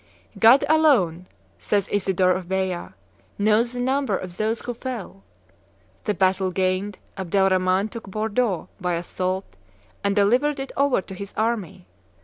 "God alone," says Isidore of Beja, "knows the number of those who fell." The battle gained, Abdel Rhaman took Bordeaux by assault and delivered it over to his army.